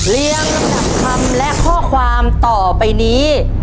ลำดับคำและข้อความต่อไปนี้